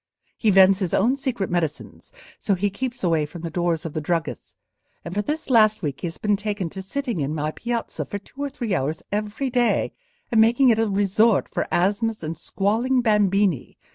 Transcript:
He vends his own secret medicines, so he keeps away from the doors of the druggists; and for this last week he has taken to sitting in my piazza for two or three hours every day, and making it a resort for asthmas and squalling bambini.